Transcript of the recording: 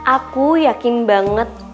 aku yakin banget